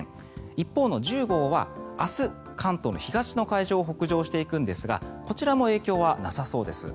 一方の１０号は明日関東の東の海上を北上していくんですがこちらも影響はなさそうです。